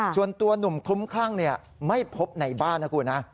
ช่วงตัวหนุ่มคุ้มข้างเนี่ยไม่พบในบ้านนะคุณฮะ